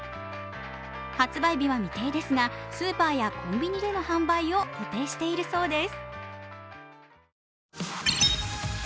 発売日は未定ですが、スーパーやコンビニでの販売を予定しているそうです。